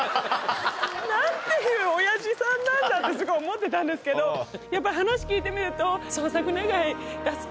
何てひどい親父さんなんだって思ってたんですけどやっぱり話聞いてみると。